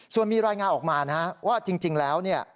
ส่วนมีรายงานออกมานะฮะว่าจริงแล้วเนี่ย